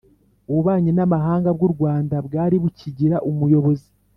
ububanyi n'amahanga bw'u rwanda bwari bukigira umuyobozi.